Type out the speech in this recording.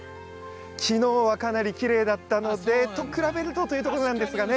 きのうはかなりきれいだったのでそれと比べるとというところなんですが。